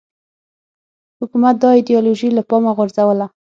حکومت دا ایدیالوژي له پامه وغورځوله